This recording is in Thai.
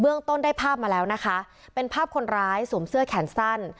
ต้นได้ภาพมาแล้วนะคะเป็นภาพคนร้ายสวมเสื้อแขนสั้น